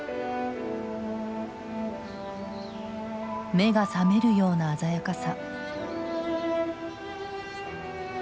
目が覚めるような鮮やかさ。